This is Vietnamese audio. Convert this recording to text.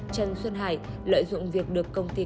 trần xuân hải lợi dụng việc được công ty